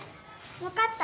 わかった。